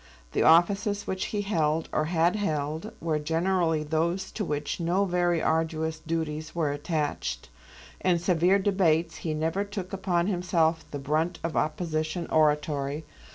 The offices which he held, or had held, were generally those to which no very arduous duties were attached. In severe debates he never took upon himself the brunt of opposition oratory.